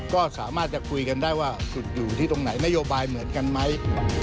ก็สามารถจะคุยกันได้ว่าสุดอยู่ที่ตรงไหนนโยบายเหมือนกันไหม